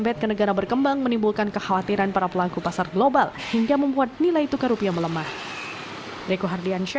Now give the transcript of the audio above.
bed ke negara berkembang menimbulkan kekhawatiran para pelaku pasar global hingga membuat nilai tukar rupiah melemah